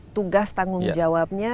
tugas tanggung jawabnya